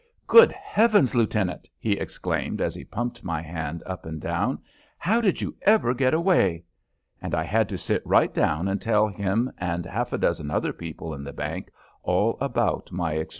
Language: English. "Good Heavens, Lieutenant!" he exclaimed as he pumped my hand up and down. "How did you ever get away?" And I had to sit right down and tell him and half a dozen other people in the bank all about my experiences.